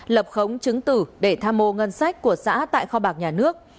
lập khống chứng tử để tham mô ngân sách của xã tại kho bạc nhà nước